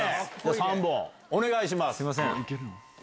３本お願いします！